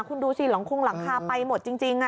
คุณดูสิหลังคงหลังคาไปหมดจริง